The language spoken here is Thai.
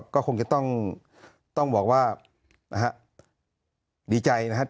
ก็คงจะต้องต้องบอกว่าดีใจนะฮะ